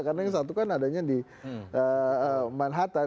karena yang satu kan adanya di manhattan